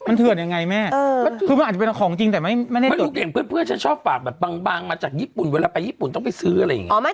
เนี่ยมาได้ไม่เห็นเพื่อนชอบฝากแบบบางมาจากญี่ปุ่นเวลาไปญี่ปุ่นต้องไปซื้ออะไรอย่างงี้